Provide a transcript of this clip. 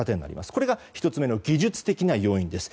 これが１つ目の技術的な要因です。